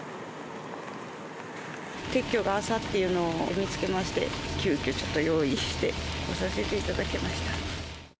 撤去が朝っていうのを見つけまして、急きょ、ちょっと用意して来させていただきました。